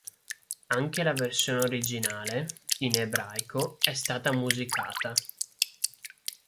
Anche la versione originale, in ebraico, è stata musicata.